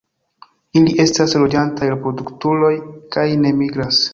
Ili estas loĝantaj reproduktuloj kaj ne migras.